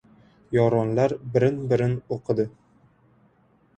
Yoronlar birin-birin o‘qidi.